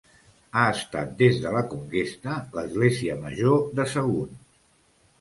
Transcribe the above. Ha estat des de la conquesta, l'església Major de Sagunt.